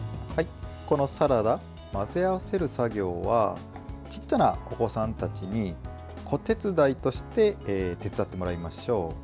このサラダ、混ぜ合わせる作業はちっちゃなお子さんたちに子手伝いとして手伝ってもらいましょう。